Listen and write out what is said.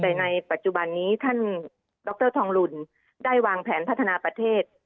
แต่ในปัจจุบันนี้ท่านดรทองลุนได้วางแผนพัฒนาประเทศ